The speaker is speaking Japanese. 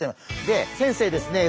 で先生ですね